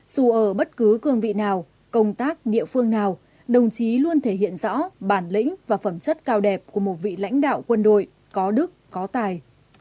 dù ở bất cứ cương vị nào công tác địa phương nào đồng chí luôn thể hiện rõ bản lĩnh và phẩm chất cao đẹp của một vị lãnh đạo quân đội có đức có tài